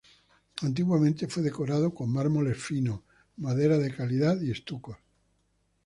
Antiguamente fue decorado con mármoles finos, madera de calidad y estucos.